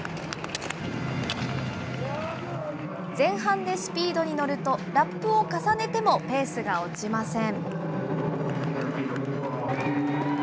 前半でスピードに乗ると、ラップを重ねてもペースが落ちません。